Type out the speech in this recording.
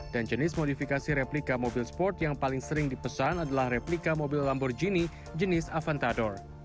dan jenis modifikasi replika mobil sport yang paling sering dipesan adalah replika mobil lamborghini jenis aventador